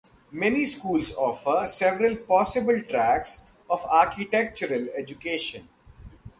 Many schools offer several possible tracks of architectural education.